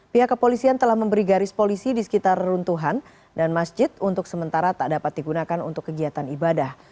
pihak kepolisian telah memberi garis polisi di sekitar runtuhan dan masjid untuk sementara tak dapat digunakan untuk kegiatan ibadah